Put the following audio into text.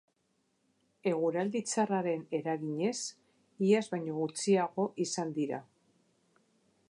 Eguraldi txarraren eraginez, iaz baino gutxiago izan dira.